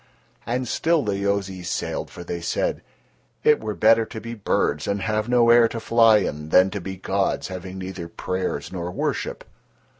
And still the Yozis sailed, for they said: "It were better to be birds and have no air to fly in, than to be gods having neither prayers nor worship."